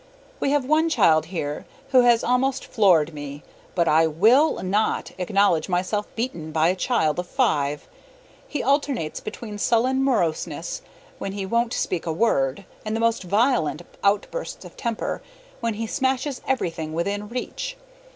We have one child here who has almost floored me; but I WILL NOT acknowledge myself beaten by a child of five. He alternates between sullen moroseness, when he won't speak a word, and the most violent outbursts of temper, when he smashes everything within reach.